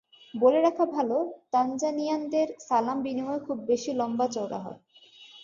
বলে রাখা ভালো তানজানিয়ানদের সালাম বিনিময় খুব বেশি লম্বা চওড়া হয়।